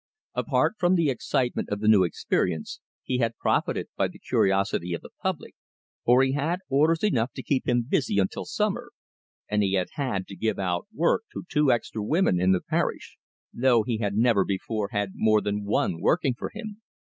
Apart from the excitement of the new experience, he had profited by the curiosity of the public, for he had orders enough to keep him busy until summer, and he had had to give out work to two extra women in the parish, though he had never before had more than one working for him.